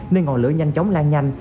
nên ngọn lửa nhanh chóng lan nhanh